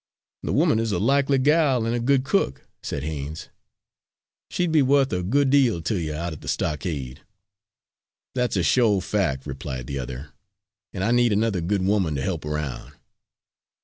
"The woman is a likely gal an' a good cook," said Haines. "She'd be wuth a good 'eal to you out at the stockade." "That's a shore fact," replied the other, "an' I need another good woman to help aroun'.